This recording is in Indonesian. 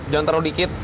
jangan terlalu dikit